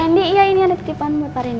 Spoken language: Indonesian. pak rendy iya ini ada petipanmu pak rendy